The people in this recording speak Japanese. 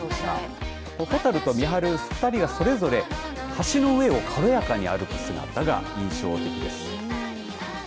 ほたると美晴２人がそれぞれ橋の上を軽やかに歩く姿が印象的です。